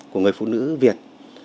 của người phụ nữ việt